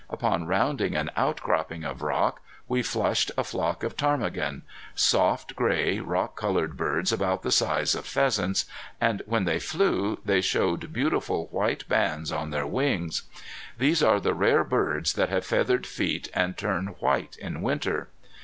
Upon rounding an out cropping of rock we flushed a flock of ptarmigan soft gray, rock colored birds about the size of pheasants, and when they flew they showed beautiful white bands on their wings. These are the rare birds that have feathered feet and turn white in winter.